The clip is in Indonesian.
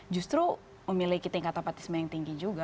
justru memiliki tingkat apatisme yang tinggi juga